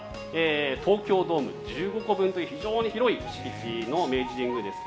東京ドーム１５個分という非常に広い敷地の明治神宮ですが